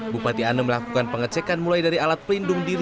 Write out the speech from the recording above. bupati ane melakukan pengecekan mulai dari alat pelindung diri